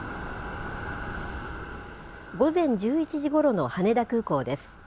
午前１１時ごろの羽田空港です。